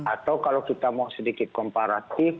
atau kalau kita mau sedikit komparatif